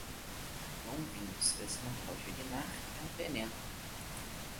Bom vinho, se você não pode urinar, é um veneno.